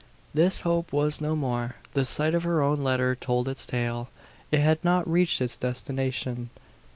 This hope was no more. The sight of her own letter told its tale: it had not reached its destination.